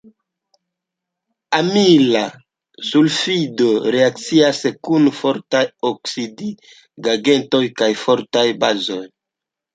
Amila sulfido reakcias kun fortaj oksidigagentoj kaj fortaj bazoj.